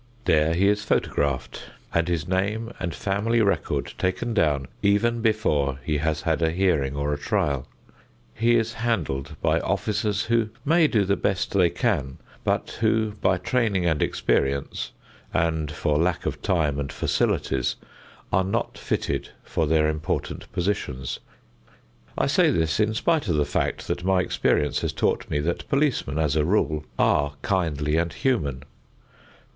There he is photographed and his name and family record taken down even before he has had a hearing or a trial. He is handled by officers who may do the best they can, but who by training and experience and for lack of time and facilities are not fitted for their important positions. I say this in spite of the fact that my experience has taught me that policemen, as a rule, are kindly and human.